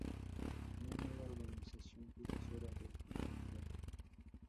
Una nueva organización sucesora de Shocker.